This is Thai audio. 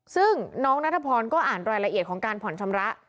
ซึ่งน้องนัทพรก็อ่านรายละเอียดของการผ่อนชำระ